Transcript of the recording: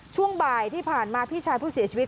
ช่วงบ่ายที่ผ่านมาพี่ชายผู้เสียชีวิต